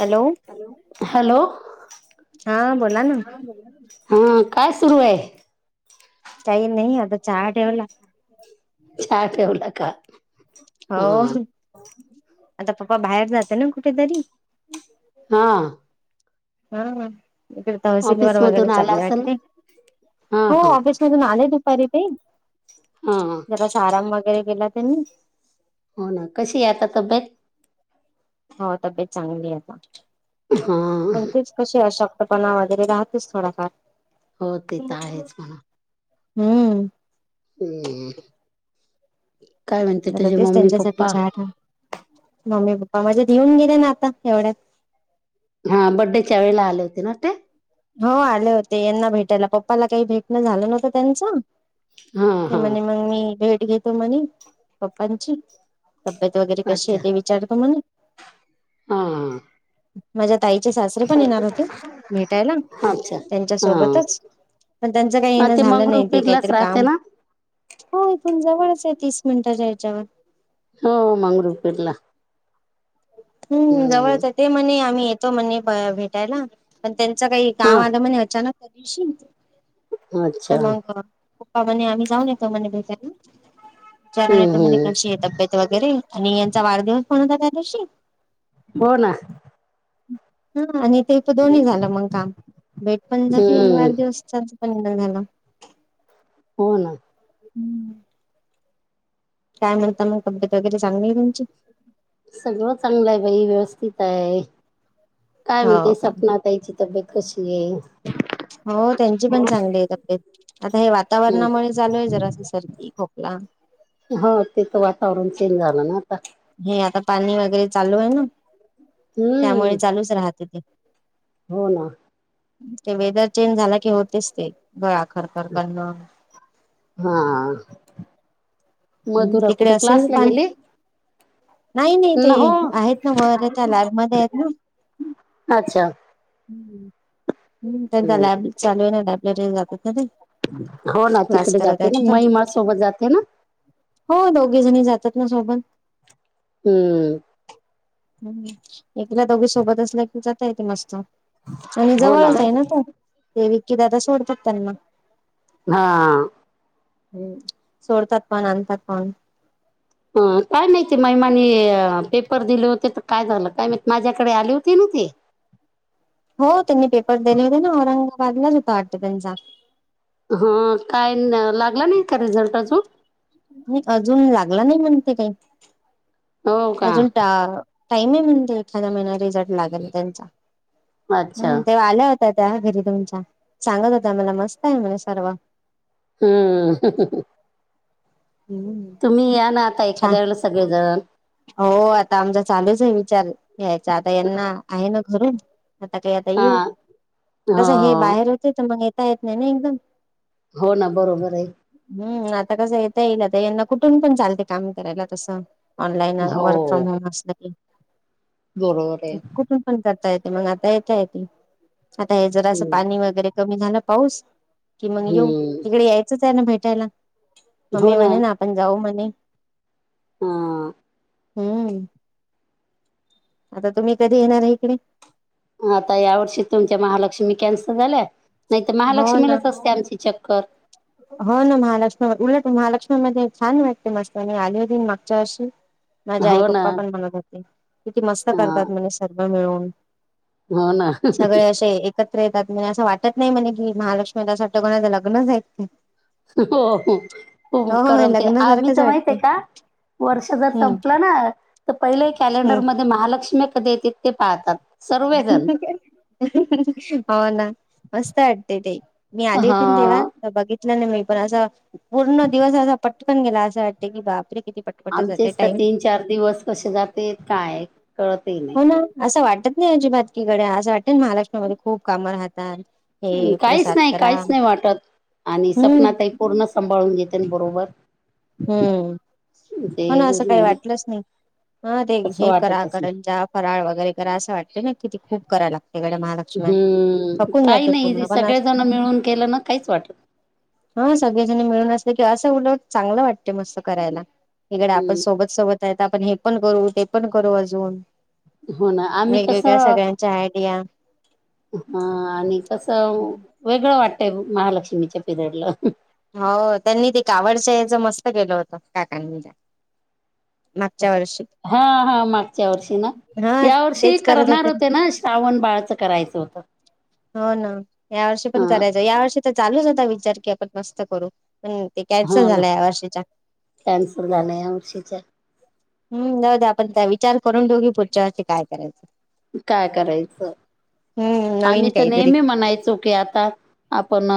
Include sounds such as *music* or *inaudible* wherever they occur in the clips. Hello hello. बोला ना हा. बोलाना ताई. हो. काय सुरू आहे. काही नाही. आता चहा ठेवला. चहा ठेवला का? हो. हा आता तू काय बाहेर जाते ना कुठेतरी? हां. हां. इकडे तहसीलवर ऑफिस वगैरे मधून आला चाललेय असेल वाटते? ना हा हो. हा ऑफीस- वरून आले दुपारी पण. हां. हां. जरासा आराम वगैरे केला त्यांनी. हो ना. कशी आहे आता तब्येत? हो. तब्येत चांगलीए आता. हा पण तेच- कशी अशक्तपणा वगैरे राहतेच थोडाफार. हो ते त आहेच म्हणा. हम्म. हम्म. काय म्हणते आता तुझे तेच मम्मी त्यांच्यासाठी पप्पा? चहा ठेव मम्मी पप्पा माझेे येऊन गेले ना आता एवढ्यात. हा. बड्डेच्या वेळेला आले होते ना ते? हो आले होते यांना भेटायला. पप्पाला काही भेटणं झालं नवतं त्यांचं. हा ते हा म्हणे मग मी भेट घेतो म्हणे पप्पांची. तब्येत वगैरे कशी अच्छा आहे? ते विचारतो म्हणे. हा माझ्या ताईचे सासरे पण येणार हा होते. *unintelligible* अच्छा त्यांच्या हा सोबतच. पण त्यांचं काही हा येणं ते झालं नाही. ते मंगरुळपीरलाच काहीतरी राहते काम- ना हो इथून जवळच आहे तीस मिनिटाच्या याच्यावर. हो. मंगळूरपीरला. हम्. जवळचए. ते म्हणे आम्ही येतो म्हणे भेटायला. पण त्यांचं काही काम हा आलं म्हणे अचानक त्या दिवशी. अच्छा तर मग- पप्पा म्हणे आम्ही जाऊन येतो म्हणे भेटायले. विचारून हम्म येतो म्हणे कशी हम्म येत? तब्येत वगैरे आणि यांचा वाढदिवस पण होता त्या दिवशी. हो ना. हा. आणि ते प दोन्ही झालं मग काम. भेट पण झाली आणि हम्म वाढदिवस पण झाला. हो ना. हम्म. काय म्हणता मग? तब्बेत वगैरे चांगली ए तुमची? सगळं चांगलं आहे बाई. व्यवस्थित आहे. काय म्हणते हो का? सपना? बाईची तब्येत कशी आहे? हो. त्यांची पण चांगली आहे तब्येत. आता हे हम्म. वातावरणामुळे चालू आहे जरा अस सर्दी खोकला. हो. ते तर वातावरण चेंज झालं ना आता. हे आता पाणी वगैरे चालू आहे ना हम्म खुस राहते ते हो ना ते वेदर चेंज झाला की होतेच ते गळा खरखर करणं हा हम्म मधुरा तिकडे कुठ असेल ना क्लासला पाणी? गेले. नाही नाही न ते हो आहेत ना वर त्या लॅबमध्ये अच्छा. हम् त्यांचा लॅब चालू आहे ना लायब्ररीला जातात ना ते हो ना क्लास तिकडे करत जाते आहेत ना तर. मै मास सोबत जाते ना हो दोघी जणी जातात ना सोबत हम्म ह एकीला दोघी सोबत असल्या की जाता येते मस्त आणि जवळच आहे ना तो विकी दादा सोडतात त्यांना हा हम्म सोडतात पण अनतात पण अ काय माहिती महिमाने पेपर दिले होते तर काय झालं काय माहित माझ्याकडे आले होते ना ती हो त्यांनी पेपर दिले होते ना औरंगाबादला होता वाटत त्यांचा हा काय लागला नाही का रिझल्ट अजून नी अजून लागला नाही म्हणते काही हो का अजून टा टाईम आहे म्हणजे एखादया महिना रिझल्ट लागेल त्यांच्या अच्छा हम्म तो आल्या होत्या त्या घरी तुमच्या सांगत होत्या मला मस्त आहे मला सर्व हम्म हम् तुम्ही या ना आता एखाद्या वेळेला सगळेजण हो आता आमचा चालूच आहे विचार यायचा आता यांना आहे ना घरून आता काही आता हा येऊ कसं हे हो बाहेर होते तर मग येता येत नाही ना एकदम हो ना बरोबर आहे हम् आता कसं येत येईल तर यांना कुठून पण चालते काम करायला तसं ऑनलाईन हो वर्क फ्रॉम होम असल की बरोबर आहे कुठून पण करता येते मग आता येत येते आता हे जरा असं हम्म पाणी वगैरे कमी झाला पाऊस कि मग येऊ हम्म तिकडे यायचच आहे ना भेटायला मम्मी म्हणे ना आपण जाऊ म्हणे हा हम्म आता तुम्ही कधी येणार आहे इकडे आता यावर्षी तुमच्या महालक्ष्मी कॅन्सल झाल्या नाही तर हो ना. महालक्ष्मीलाच असते आमचे चक्कर *unintelligible* हो ना महालक्ष्मी उलट महालक्ष्मी मध्ये छान वाटते मस्त म आली होन मागच्या अशी माझ्या आई हो ना पप्पा पण म्हणत होते किती मस्त हा करतात म्हज सर्व मिळून हो ना सगळे असे एक एकत्र येतात म्हणजे असं वाटत नाही म्हणे की महालक्ष्मीला साठवण्यां लग्नच आहेत का हो हो करमते आम्ही लग्नासारखंच तर माहित वाटते आहे का वर्ष जर हम्म संपलं ना तर पहिले हम्म. कॅलेंडरमध्ये महालक्ष्मी कधी येते ते पाहतात सर्वजण हो ना मस्त वाटते ते मी आली होती ना हा तेव्हा बघितलं न मी पण असं पूर्ण दिवस असा पटकन गेला असं वाटते की बापरे किती पटकन आमचेच तर तीन चार दिवस कसे जात काय कळतं ही नाही. हो ना असं वाटत नाही अजिबात कि गड्या असं वाटतं महाराष्ट्रामध्ये खूप कामं राहतात. हे काहीच प्रसाद नाही करा काहीच नाही वाटतं आणि हम्म सपना ताई पूर्ण सांभाळून घेते ना बरोबर. हम्म ते म्हण असं काही म्हणजे वाटलंच नाही हा ते तसं हे करा वाटतच नाही करंजा फराळ वगैरे करा असं वाटते ना क ती खूप करायला लागते ना गड्या महालक्ष्मी हम्म काही नाही अस सगळेजण मिळून केलं ना काहीच वाटतं हा सगळेजणी मिळून असते की असं उल चांगलं वाटते मस्त करायला इकडे आपण हम्म सोबत सोबत आहे आपण हे पण करू ते पण करू अजून हो ना आम्ही वेगवेगळ्या सगळ्यांच्या आयडिया हा आणि कसं वेगळं वाटतंय महालक्ष्मीच्या पिरियडला हो त्यांनी ते कावडच्या याचं मस्त केलं होतं काकांनी त्या मागच्या वर्षी हा हा मागच्या वर्षी ना हा या वर्षी तेच करत करणार होते ना? श्रावण बाळचं करायचं होतं. हो ना या वर्षी पण ह करायचं या वर्षी तर चालूच होता विचार की आपण मस्त करू पण कॅन्सल हो ना झाला या वर्षीच्या कॅन्सल झाले यावर्षीच हम्म जाऊ दे आपण विचार करून ठेऊ पुढच्यावर्षी काय करायचं. काय करायचं हम्म नवीन आम्ही तर काहीतरी नेहमी म्हणायचो की आता आपण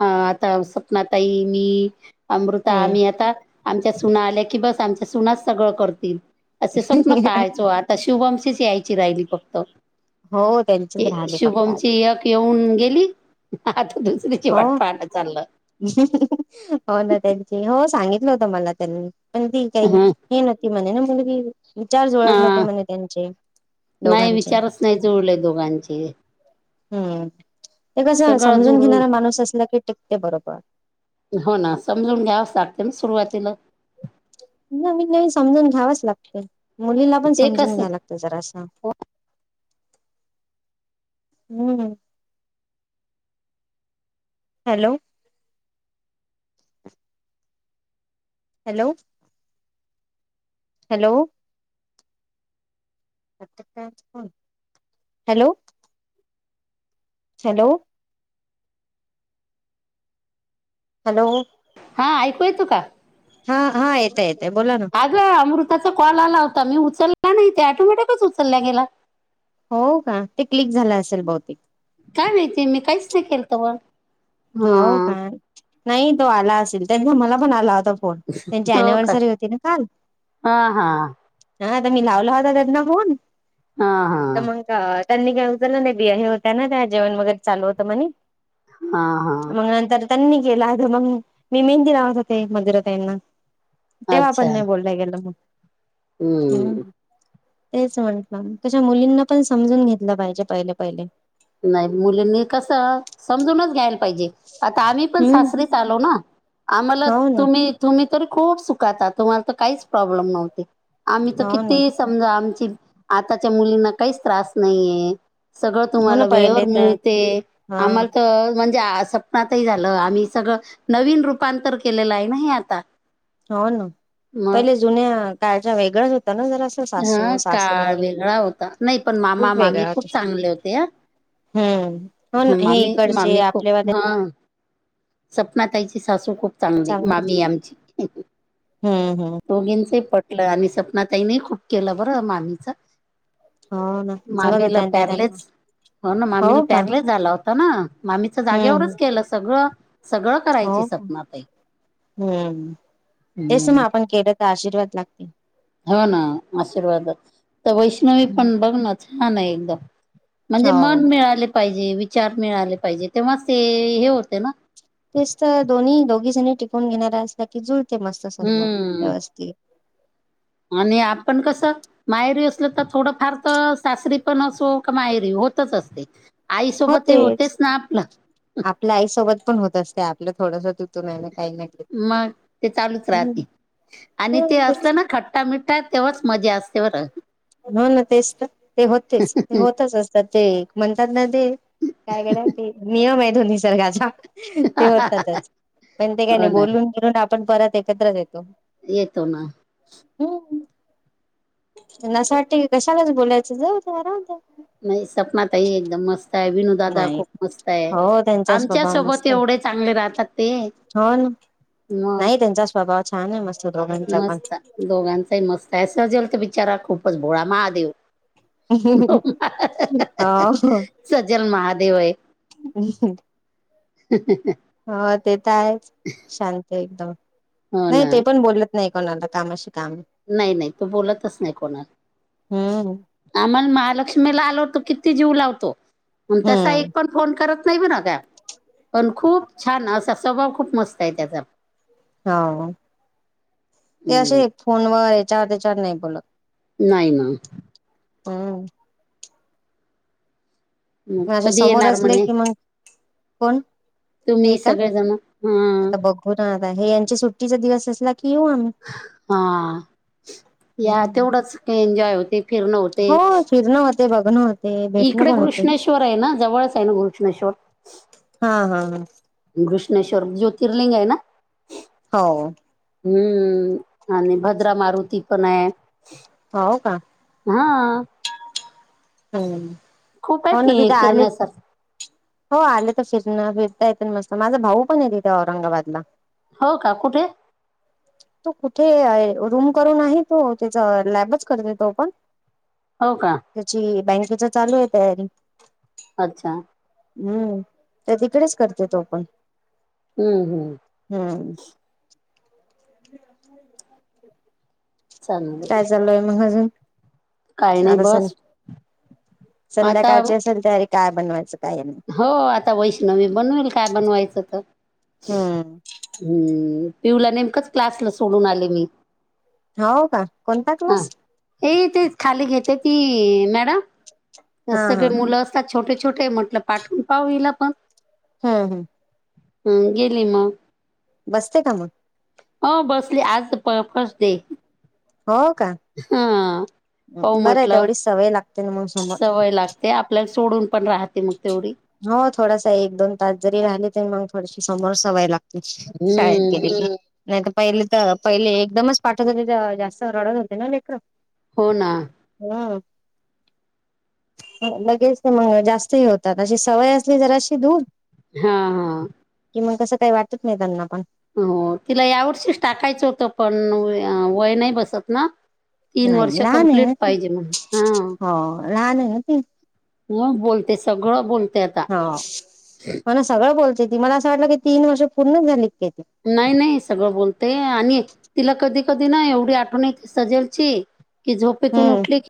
आता स्वपना ताई मी अमृता हम्म आम्ही आता आमच्या सुना आल्या की बस आमच्या सुनाच सगळं करतील असे स्वप्न पाहायचो आत शुभमची यायची राहिली फक्त हो त्यांचेच ए राहिले फक्त शुभमची आता एक येऊन गेली आता दुसरीची वाट हो पाहाण चाललं. हो ना त्यांची हो सांगितलं होत मला त्यांनी पण ती ह काही नती म ना मुलगी *unintelligible* विचार जुळत नव्हते हा म्हणे त्यांचे नाही दोघांचे विचारच नाही जुळले दोघांचे हम्म ते कसं सगळं समजून जुळून घेणारा माणूस असला की टिकते बरोबर हो ना समजून घ्यावच लागते ना सुरुवातीला नवीन नवीन समजून घ्यावच लागते मुलीला पण ते समजून कसं घ्याव लागतं. ते जरा असं हम्म hello hello hello hello hello hello हा ऐकू येतो का? हा हा येतय येते बोला ना अमृताचा कॉल आला होता मी उचलला नाहीे ऑटोमॅटिकच उचलल्या गेला. हो का ते क्लिक झालं असेल बहुतेक. काय माहिती मी काहीच नाही केल तव हो का नाही तो आला असेल त्याचा मला पण आला होता. कोण त्यांची हो काय अनिव्हर्सरी होती ना काल. हा हा हा त्यांनी लावला होता त्यांना फोन. हा हा! अ त्यांनी काय उचलला नाही ते हे होत्या ना त्या जेवण वगैरे चालू होतं म्हणे. हा हा! मग नंतर त्यांनी केला त मंग मी मेहंदी लावत होते मंदीरा ताईना. तेव्हा पण अच्छा नाही बोलल्या गेलं मग. हम्म तेच म्हंटलं त्याच्या मुलींना पण समजून घेतलं पाहिजे पहिले, पहिले. नाही मुलींनी कस समजूनच घ्यायला पाहिजे आता आम्ही पण हम्म सासरी चालो ना आम्हाला हो ना तुम्ही. तुम्ही तरी खूप सुखात आहात, तुम्हाला तर काहीच प्रॉब्लेम नव्हते, आम्ही तर हो ना किती समजा आमची आताच्या मुलींना काहीच त्रास नाहीये सगळं हो ना तुम्हाला वेळेवर पहिले तर मिळते, हा आम्हाला तर म्हणजे असं नातही झालं आम्ही सगळं नवीन रूपांतर केलेलं आहे ना हे आता. हो ना मग पहिले जुन्या काळच्या वेगळच होता ना जरास. हा काळ वेगळा होता, नाही पण मामा खूप मामी वेगळा होत खूप चांगले होते हं! हम्म हो ना ह हे मामी इकडचे मामी खूप आपलेवाले हा. सपना ताईची सासू खूप चांगली, चांगले मामी आमची हम्म हम्म दोघींचे पट ल आणि सपना ताईने खूप केलं बरं मामीच. हो ना सांगत मामीला होत्या त्या त्यांना प्यारलेस हो ना मामीला प्यारलेस झाला. होता ना मामीच हम्म जागेवरच केलं सगळं. सगळं करायची हो का सपनाताई हूं तेस म हम्म आपण केलं तर आशीर्वाद लागते. हो ना आशीर्वाद, त वैष्णवी पण बघ ना छान आहे एकदम. म्हणजे हो मन मिळाले पाहिजे, विचार मिळाले पाहिजे, तेव्हाच ते हे होते ना. तेच त दोन्ही दोघी जणी टिकून घेणाऱ्या असल्या कि जुळते मस्त सर्व हम्म व्यवस्थित. आणि आपण कस माहेरी असल त थोडंफार त सासरी पण असो माहेरी होतच असते, आईसोबत हे होतेच ना आपलं. आपल्या आईसोबत पण होत असते आपलं थोडंस. मग ते चालूच हम्म राहती आणि ते तेच असलं ना खट खट्टा मिठ्ठा तेव्हाच मजा असते बरं. हो ना तेच त ते होतेच ते होतच असतात, ते म्हणतात ना. ते काय गडया ते नियम आहे तो निसर्गाचा. ते होतातच पण ते काय हो नाही ना बोलून फिरून आपण परत एकत्रच येतो. येतो ना. हो! त्यांना असं वाटतं की कशालाच बोलायचं जाऊद्या राहुद्या. नाही सपना ताई एकदम मस्त आहे विणून. दादा नाही खूप मस्त आहे, हो त्यांचा आमच्या स्वभाव सोबत मस्त आहे एवढे चांगले राहतात ते. हो ना मग नाही त्यांचा स्वभाव छान आहे, मस्त दोघांचा पण. मस्त दोघांचाही मस्त आहे, सजेल तर बिचारा खूपच भोळा महादेव. हो सजेल महादेव आहे. *inaudible* *inaudible* हो ते त आहेच शांत एकदम हो नही ना ते पण. बोलत नाही कोणाला कामाशी काम. नाही नाही तो बोलतच नाही हम्म कोणाला आम्हाला महालक्ष्मीला आल होतो किती जीव लावतो तसा एक हम्म पण फोन करत नाही बर का पण खूप छान असा स्वभाव खूप मस्त आहे त्याचा हा ते हम्म असे फोन वर येचावर तेचावर नाही बोलत नाही ना हम् मग माझ्या कधी समोर येणार असले म्हणे कि मग कोण हे तुम्ही का सगळेजण हा आता बघू हो ना आता हे यांच्या सुट्टीचा दिवस असला की येऊ आम्ही हा या तेवढंच एन्जॉय होते फिरणं होते हो फिरण होते बघण होत इकडे घृष्णेश्वर आहे ना जवळच आहे ना घृष्णेश्वर हा हा घृष्णेश्वर जोतिर्लिंग आहे ना हो हम्म आणि भद्रा मारुती पण हाय हो का हा हम्म खूप आहे होन फि *unintelligible* फिरण्यासारखं आलेच हो आले तर फिरण फिरता येत मस्त माझा भाऊ पण आहे तिथे औरंगाबादला हो का कुठे तो कुठे आहे रूम करून आहे तो त्याच लॅबच करते तो पण हो का बँकेच चालू आहे तयारी अच्छा हम्म तर तिकडेच करते तो पण हम्म हम् हम काय चालूय मग अजून काही नाही आता सं बस आता संध्याकाळची असेल तयारी काय बनवायचं काय नाही हो आता वैष्णवी बनवेल काय बनवायचं तर हम्म हम्म पिऊला नेमकच क्लासला सोडून आले मी हो का कोणता क्लास ए ते खाली घेते ती मॅडम हा सगळे हा मुलं अ छोटे छोटे म्हटलं पाठवून पाहू हिला पण हम्म हम्म हम् गेली मग बसते का मग हो बसली आज फ फर्स्ट डे हो का हा हो बरं आहे म्हटलं तेवढी सवय लागते ना मग समोर सवय लाग ते आपल्याला सोडून पण राहते मग तेवढी हो थोडासा एक दोन तास जरी राहिले तरी मग थोडशी समोर सवई लाग शाळेत गेले हम्म की नाही तर पहिले त पहिले एकदमच पाठत होते तेंव्हा जास्त रडत होते ना लेकर. हो ना. हं, लगेच ते म जास्त हे होतात. अशी सवय असली जराशी दूर हा हा. कि मग कसं काही वाटत नाही त्यांना पण. हो तिला यावर्षीच टाकायचं होतं पण व - वय नाही बसत ना. तीन वर्ष नाही लहान आहे कमप्लीट ना ते पाहिजे म्हण हा. हो लहान आहे ना ते मग बोलते सगळं बोल हो, मला सगळं बोलते ती मला असं वाटलं की तीन वर्ष पूर्ण झाले काय ते? नाही नाही सगळं बोलते आणि एक तिला कधी कधी ना एवढी आठवण येती सजेलची, की झोपेतून हम्म उठली की